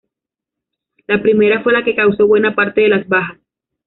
La primera fue la que causó buena parte de las bajas.